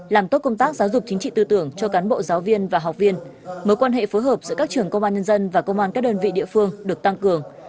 làm tốt công tác giáo dục chính trị tư tưởng cho cán bộ giáo viên và học viên mối quan hệ phối hợp giữa các trường công an nhân dân và công an các đơn vị địa phương được tăng cường